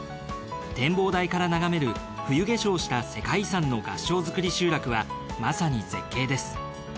展望台から眺める冬化粧した世界遺産の合掌造り集落はまさに絶景です。